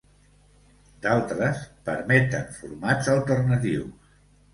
D'altres permeten formats alternatius.